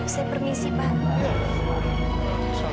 saya permisi pak